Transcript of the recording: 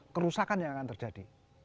kerusakan yang akan terjadi